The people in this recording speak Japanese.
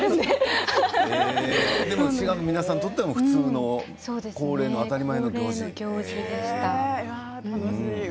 滋賀の皆さんにとっては恒例の当たり前の行事なんですね。